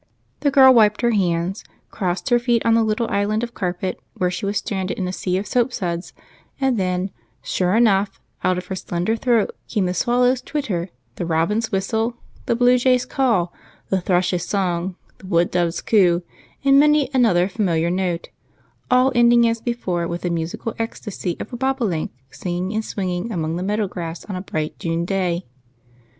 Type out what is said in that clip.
The girl wiped her hands, crossed her feet on the little island of carpet where she was stranded in a sea of soap suds, and then, sure enough, out of her slender throat came the swallow's twitter, the robin's whistle, the blue jay's call, the thrush's song, the wood dove's coo, and many another familiar note, all ending as before with the musical ecstasy of a bobolink singing and swinging among the meadow grass on a bright June day.